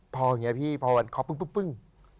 พออย่างนี้พี่พอวันเคาะปึ้ง